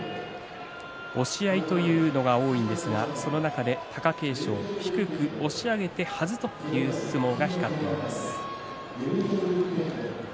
押し合いというのが多いんですがその中で貴景勝は低く押し上げてはずという相撲が光っています。